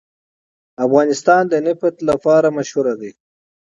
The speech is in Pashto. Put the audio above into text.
افغانستان د نفت لپاره مشهور دی.